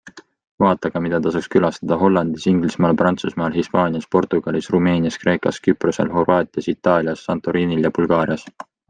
Vaata ka, mida tasuks külastada Hollandis, Inglismaal, Prantsusmaal, Hispaanias, Portugalis, Rumeenias, Kreekas, Küprosel, Horvaatias, Itaalias, Santorinil ja Bulgaarias.